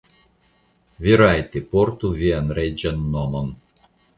Vi rajte portu vian reĝan nomon.